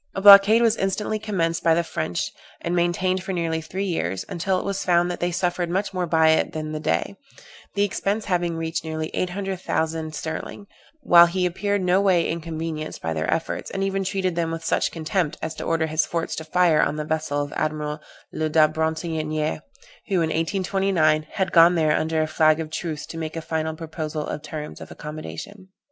A blockade was instantly commenced by the French, and maintained for nearly three years, until it was found that they suffered much more by it than the Dey, the expense having reached nearly 800,000_l_ sterling, while he appeared no way inconvenienced by their efforts, and even treated them with such contempt as to order his forts to fire on the vessel of Admiral Le da Bretonnière, who, in 1829, had gone there under a flag of truce to make a final proposal of terms of accommodation.